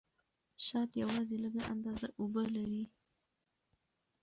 شات یوازې لږه اندازه اوبه لري.